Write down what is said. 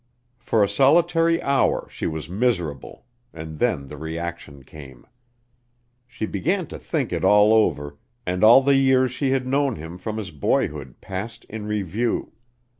For a solitary hour she was miserable, and then the reaction came. She began to think it all over, and all the years she had known him from his boyhood passed in review.